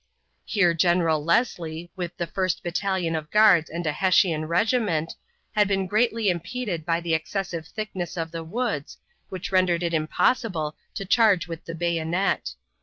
Here General Leslie, with the first battalion of guards and a Hessian regiment, had been greatly impeded by the excessive thickness of the woods, which rendered it impossible to charge with the bayonet.